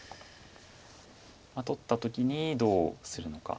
取った時にどうするのか。